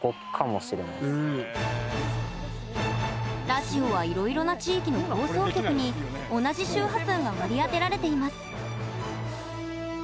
ラジオはいろいろな地域の放送局に同じ周波数が割り当てられています。